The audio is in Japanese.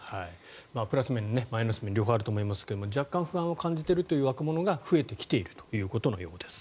プラス面、マイナス面両方あると思いますが若干不安を感じる若者が増えてきているということのようです。